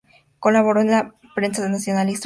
Colaboró en la prensa nacional y extranjera.